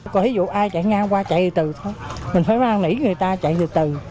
còn ví dụ ai chạy ngang qua chạy từ thôi mình phải mang lĩ người ta chạy từ từ